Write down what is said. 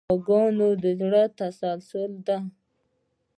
د دعا ځواک د زړۀ تسلي ده.